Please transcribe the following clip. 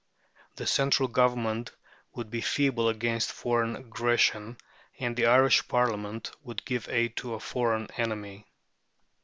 174); the central Government would be feeble against foreign aggression, and the Irish Parliament would give aid to a foreign enemy (pp.